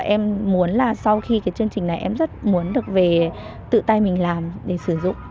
em muốn sau khi chương trình này em rất muốn được về tự tay mình làm để sử dụng